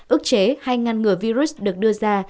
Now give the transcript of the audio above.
ước chế hay ngăn ngừa virus được đưa ra